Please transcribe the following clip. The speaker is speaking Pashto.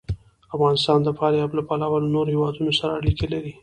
افغانستان د فاریاب له پلوه له نورو هېوادونو سره اړیکې لري.